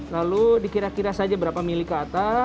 lalu dikira kira saja berapa mili ke atas